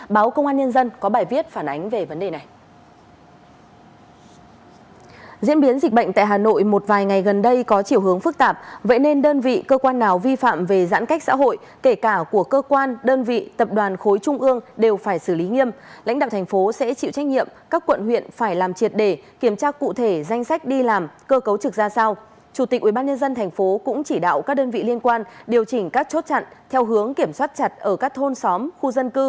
báo công an nhân dân có bài viết phản ánh về vấn đề này